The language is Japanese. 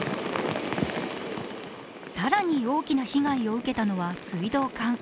更に大きな被害を受けたのは水道管。